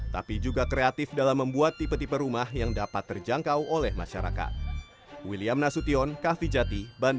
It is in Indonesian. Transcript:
tapi juga kreatif dalam membuat tipe tipe rumah yang dapat terjangkau oleh masyarakat